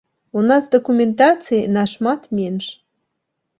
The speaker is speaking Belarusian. У нас дакументацыі нашмат менш.